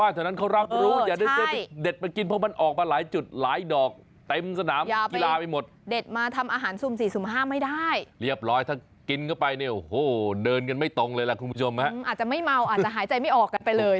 อาจจะไม่เมาอาจจะหายใจไม่ออกกันไปเลย